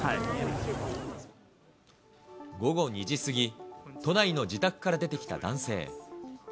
午後２時過ぎ、都内の自宅から出てきた男性。